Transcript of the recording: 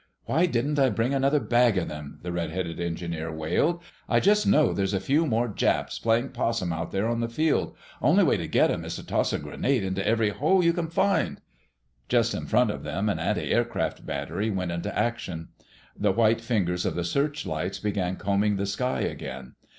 "Why didn't I bring another bag of 'em?" the red headed engineer wailed. "I just know there's a few more Japs playing possum out there on the field. Only way to get 'em is to toss a grenade into every hole you can find—" Just in front of them an antiaircraft battery went into action. The white fingers of the searchlights began combing the sky again.